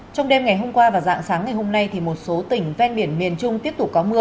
trong đêm ngày hôm qua và dạng sáng ngày hôm nay một số tỉnh ven biển miền trung tiếp tục có mưa